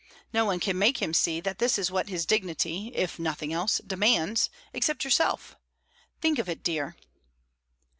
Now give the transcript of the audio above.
No one can make him see that this is what his dignity if nothing else demands, except yourself. Think of it, dear."